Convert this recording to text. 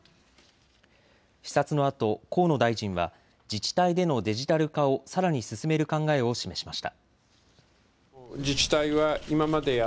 視察のあと河野大臣は自治体でのデジタル化をさらに進める考えを示しました。